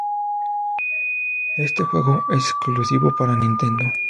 Este juego es exclusivo para Nintendo.